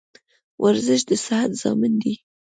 ورزش د صحت ضامن دی